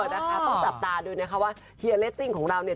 นะคะต้องจับตาดูนะคะว่าเฮียเลสซิ่งของเราเนี่ย